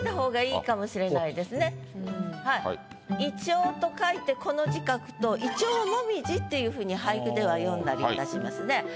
「銀杏」と書いてこの字書くと「いちょうもみじ」っていうふうに俳句では読んだりいたしますね。